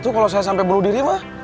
lu kalo saya sampe bunuh diri mah